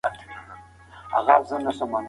حکومت باید مالیه کمه کړي.